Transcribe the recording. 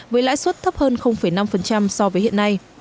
với lãi suất thấp hơn năm so với hiện nay